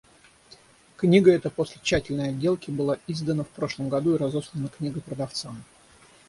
Книга эта после тщательной отделки была издана в прошлом году и разослана книгопродавцам.